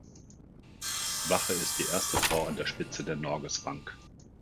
Bache ist die erste Frau an der Spitze der Norges Bank.